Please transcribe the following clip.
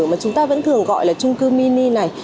mà chúng ta vẫn thường gọi là trung cư mini này